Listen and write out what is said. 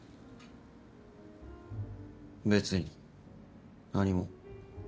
別に何も。